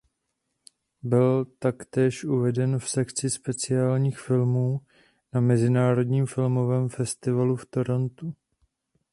Byl taktéž uveden v sekci speciálních filmů na Mezinárodním filmovém festivalu v Torontu.